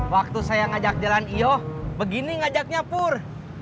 waktu saya ngajak jalan ioh begini ngajaknya pur